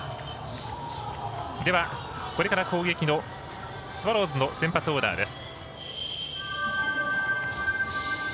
これから攻撃のスワローズの先発オーダーです。